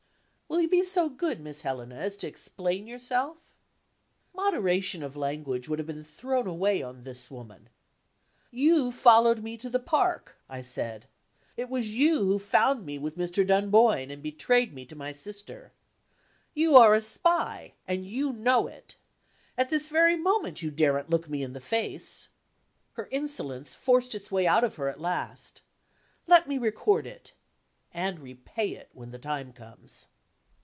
"Will you be so good, Miss Helena, as to explain yourself?" Moderation of language would have been thrown away on this woman. "You followed me to the park," I said. "It was you who found me with Mr. Dunboyne, and betrayed me to my sister. You are a Spy, and you know it. At this very moment you daren't look me in the face." Her insolence forced its way out of her at last. Let me record it and repay it, when the time comes.